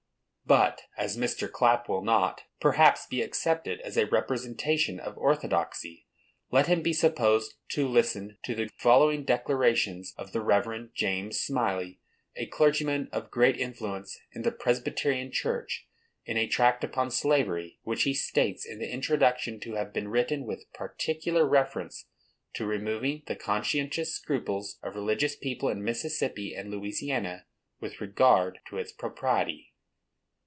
But, as Mr. Clapp will not, perhaps, be accepted as a representation of orthodoxy, let him be supposed to listen to the following declarations of the Rev. James Smylie, a clergyman of great influence in the Presbyterian church, in a tract upon slavery, which he states in the introduction to have been written with particular reference to removing the conscientious scruples of religious people in Mississippi and Louisiana, with regard to its propriety.